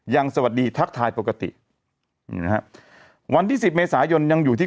ยังสวัสดีทักทายปกติวันที่๑๐เมษายนยังอยู่ที่